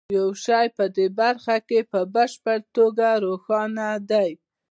یو شی په دې برخه کې په بشپړه توګه روښانه دی